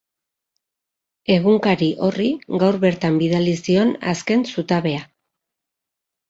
Egunkari horri gaur bertan bidali zion azken zutabea.